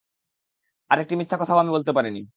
আর একটি মিথ্যা কথাও আমি বলতে পারিনি।